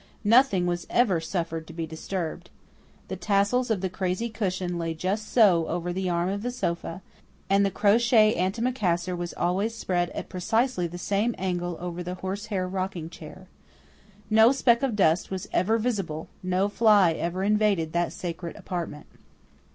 Nothing was ever suffered to be disturbed. The tassels of the crazy cushion lay just so over the arm of the sofa, and the crochet antimacassar was always spread at precisely the same angle over the horsehair rocking chair. No speck of dust was ever visible; no fly ever invaded that sacred apartment.